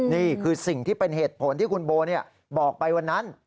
นี่คือสิ่งที่เป็นเหตุผลที่คุณโบบอกไปวันนั้น